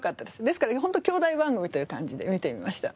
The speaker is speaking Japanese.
ですから兄弟番組という感じで見ていました。